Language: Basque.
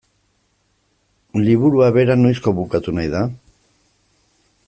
Liburua bera noizko bukatu nahi da?